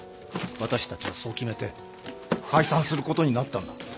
私たちはそう決めて解散することになったんだ。